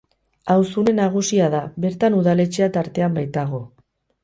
Auzune nagusia da, bertan udaletxea tartean baitago.